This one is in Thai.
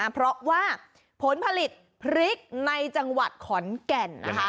เพราะว่าผลผลิตพริกในจังหวัดขอนแก่น